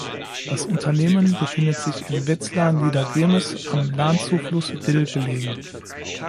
Das Unternehmen befindet sich in Wetzlar-Niedergirmes, am Lahn-Zufluss Dill gelegen.